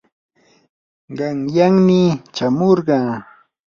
qanyanmi chamurqaa.